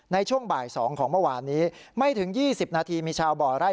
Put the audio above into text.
ในช่วงบ่าย๒ของเมื่อวานนี้ไม่ถึง๒๐นาทีมีชาวบ่อไร่